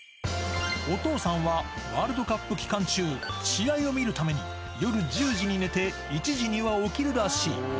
お父さんはワールドカップ期間中、試合を見るために夜１０時に寝て、１時には起きるらしい。